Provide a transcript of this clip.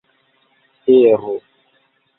ero